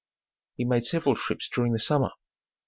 He made several trips during the summer.